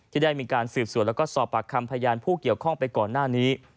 ได้มีการสืบสวนแล้วก็สอบปากคำพยานผู้เกี่ยวข้องไปก่อนหน้านี้